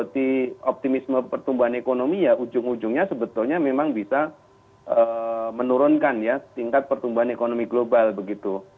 terus menurunkan ya tingkat pertumbuhan ekonomi global begitu